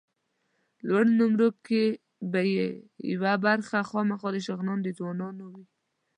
لوړو نومرو کې به یوه برخه خامخا د شغنان د ځوانانو وي.